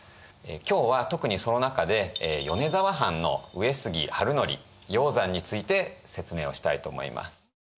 今日は特にその中で米沢藩の上杉治憲鷹山について説明をしたいと思います。